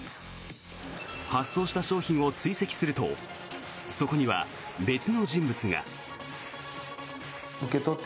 発送した商品を追跡するとそこには別の人物が。